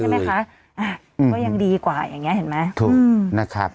ไหมคะอ่ะก็ยังดีกว่าอย่างเงี้เห็นไหมถูกนะครับ